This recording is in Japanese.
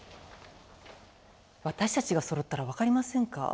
私たちがそろったら分かりませんか？